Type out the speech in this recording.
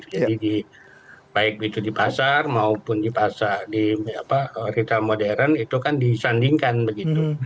jadi baik itu di pasar maupun di pasar di retail modern itu kan disandingkan begitu